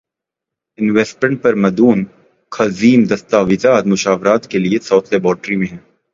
investment پر مدون ضخیم دستاویزات مشاورت کے لیے ساؤتھ لیبارٹری میں ہیں